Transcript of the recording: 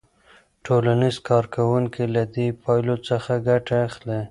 ټولنیز کارکوونکي له دې پایلو څخه ګټه اخلي.